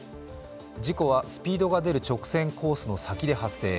事故は、スピードが出る直線コースの先で発生。